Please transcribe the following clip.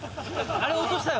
あれ落としたよ？